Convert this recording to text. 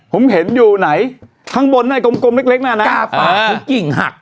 ผมเห็นอยู่ไหนข้างบนไหนกลมกลมเล็กเล็กหน้านั้นเออกาฝากก็กิ่งหัก